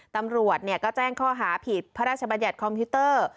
ตำรวจก็แจ้งข้อหาผิดพระราชบัญญัติคอมพิวเตอร์